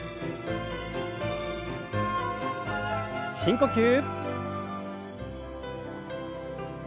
深呼吸。